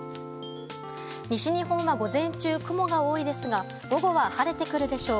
西日本は午前中、雲が多いですが、午後は晴れてくるでしょう。